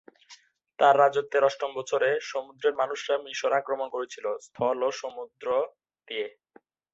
তাঁর রাজত্বের অষ্টম বছরে, সমুদ্রের মানুষরা মিশর আক্রমণ করেছিল স্থল ও সমুদ্র দিয়ে।